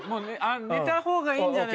寝たほうがいいんじゃない？